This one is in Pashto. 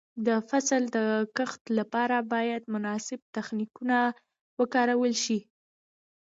د فصل د کښت لپاره باید مناسب تخنیکونه وکارول شي.